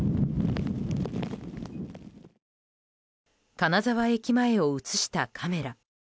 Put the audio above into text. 金沢駅前を映したカメラ。